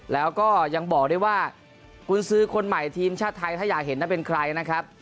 แล้วก็ยังบอกได้ว่ากุญซื้อคนใหม่ทีมชาติไทยถ้าอยากเห็นนะเป็นใครนะครับ